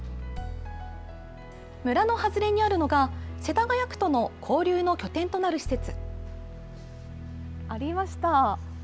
村の外れにあるのが、世田谷区との交流の拠点となる施設。